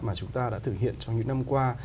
mà chúng ta đã thực hiện trong những năm qua